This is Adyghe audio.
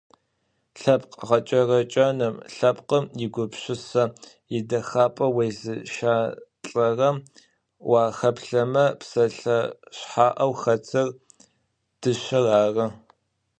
Лъэпкъ гъэкӏэрэкӏэным, лъэпкъым игупшысэ идэхапӏэм уезыщалӏэрэм ухаплъэмэ псэлъэ шъхьаӏэу хэтыр - дышъэр ары.